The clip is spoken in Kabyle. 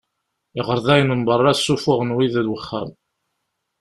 Iɣerdayen n berra ssufɣen wid n uxxam.